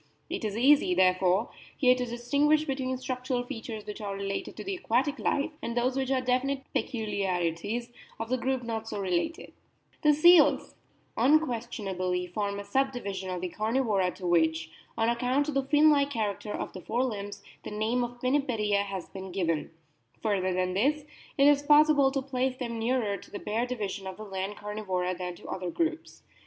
It is easy, therefore, here to distinguish between structural features which are related to the aquatic life and those which are definite peculiarities of the group not so related. 85 86 A BOOK OF WHALES The "seals" unquestionably form a subdivision of the Carnivora to which on account of the fin like character of the fore limbs the name of Pinnipedia has been given ; further than this, it is possible to place them nearer to the Bear division of the land Carnivora than to the other groups.